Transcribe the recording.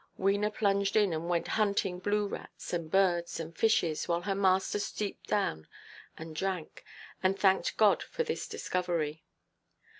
Wena plunged in and went hunting blue–rats, and birds, and fishes, while her master stooped down, and drank, and thanked God for this discovery.